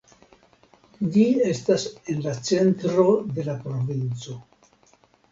Ĝi estas en la centro de la provinco.